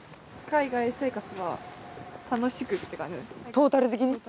トータル的に？